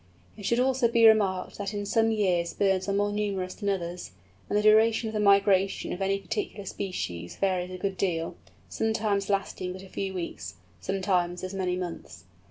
It should also be remarked that in some years birds are more numerous than others, and the duration of the migration of any particular species varies a good deal, sometimes lasting but a few weeks, sometimes as many months.